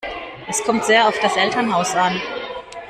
Es kommt sehr auf das Elternhaus an.